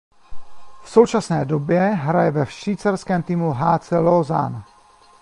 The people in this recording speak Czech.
V současné době hraje ve švýcarském týmu Hc Lausanne.